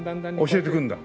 教えてくんだ。